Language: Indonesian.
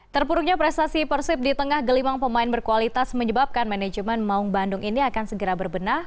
terpuruknya prestasi persib di tengah gelimang pemain berkualitas menyebabkan manajemen maung bandung ini akan segera berbenah